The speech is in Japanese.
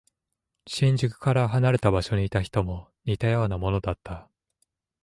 新宿から離れた場所にいた人も似たようなものだった。